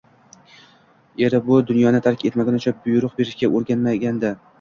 Eri bu dunyoni tark etmaguncha buyruq berishga o`rganmagandi